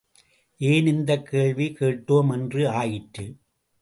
ஏன் இந்தக் கேள்வி கேட்டோம் என்று ஆயிற்று.